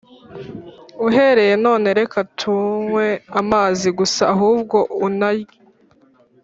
uhereye none reka kunywa amazi gusa ahubwo unarye